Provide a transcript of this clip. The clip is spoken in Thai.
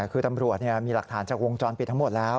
คือตำรวจมีหลักฐานจากวงจรปิดทั้งหมดแล้ว